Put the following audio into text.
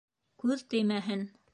Күҙ теймәһен.